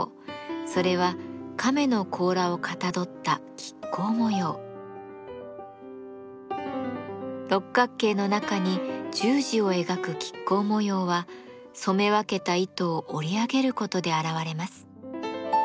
それは亀の甲羅をかたどった六角形の中に十字を描く亀甲模様は染め分けた糸を織り上げることで現れます。